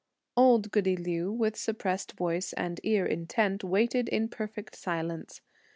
Old goody Liu, with suppressed voice and ear intent, waited in perfect silence.